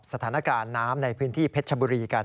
สถานการณ์น้ำในพื้นที่เพชรชบุรีกัน